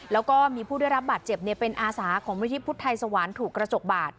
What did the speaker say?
แล้วก็มีผู้ได้รับบาดเจ็บเป็นอาสาของมูลที่พุทธไทยสวรรค์ถูกกระจกบาด